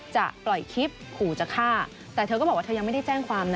จะปล่อยคลิปขู่จะฆ่าแต่เธอก็บอกว่าเธอยังไม่ได้แจ้งความนะ